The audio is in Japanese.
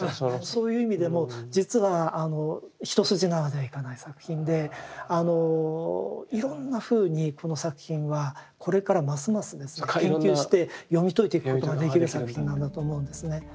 そういう意味でも実は一筋縄ではいかない作品でいろんなふうにこの作品はこれからますます研究して読み解いていくことができる作品なんだと思うんですね。